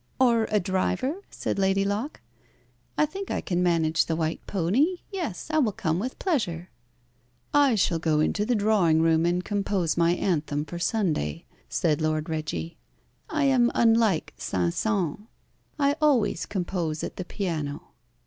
"Or a driver?" said Lady Locke. "I think I can manage the white pony. Yes, I will come with pleasure." "I shall go into the drawing room and compose my anthem for Sunday," said Lord Reggie. "I am unlike Saint Saëns. I always compose at the piano."